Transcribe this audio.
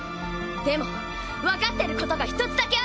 でも分かってることが一つだけあるわ。